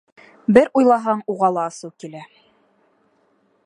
Бер уйлаһаң, уға ла асыу килә.